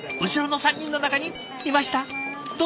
後ろの３人の中にいました？